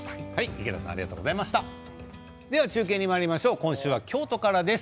中継、今週は京都からです。